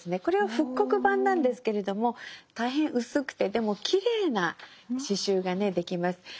これは復刻版なんですけれども大変薄くてでもきれいな詩集ができます。